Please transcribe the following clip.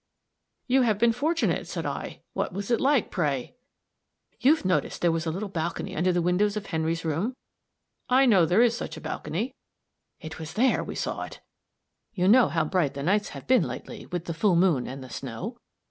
"You have been fortunate," said I. "What was it like, pray?" "You've noticed there was a little balcony under the windows of Henry's room?" "I know there is such a balcony." "It was there we saw it. You know how bright the nights have been lately, with the full moon and the snow.